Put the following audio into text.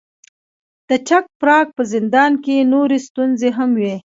د چک پراګ په زندان کې نورې ستونزې هم وې.